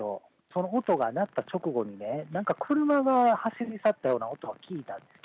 その音が鳴った直後にね、なんか車が走り去ったような音を聞いたんです。